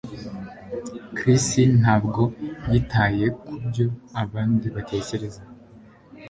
Chris ntabwo yitaye kubyo abandi batekereza